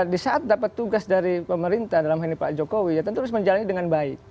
di saat dapat tugas dari pemerintah dalam hal ini pak jokowi ya tentu harus menjalani dengan baik